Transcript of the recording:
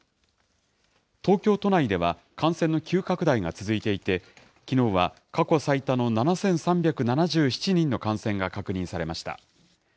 東京都内では、感染の急拡大が続いていて、きのうは過去最多の７３７７人の感染が確認されました。